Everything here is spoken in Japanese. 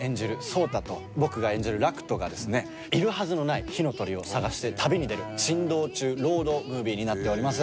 草太と僕が演じる楽人がですねいるはずのない火の鳥を探して旅に出る珍道中ロードムービーになっております。